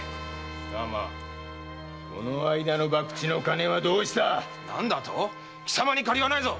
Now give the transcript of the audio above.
貴様この間の博打の金はどうした⁉何だと⁉貴様に借りはないぞ！